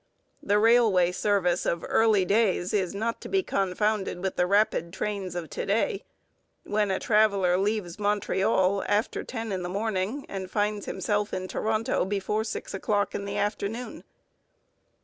The railway service of early days is not to be confounded with the rapid trains of to day, when a traveller leaves Montreal after ten in the morning and finds himself in Toronto before six o'clock in the afternoon.